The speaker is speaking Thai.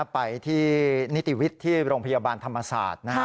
ไปที่นิติวิทย์ที่โรงพยาบาลธรรมศาสตร์